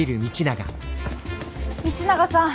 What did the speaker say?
道永さん！